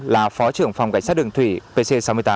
là phó trưởng phòng cảnh sát đường thủy pc sáu mươi tám